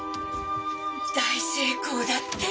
大成功だって！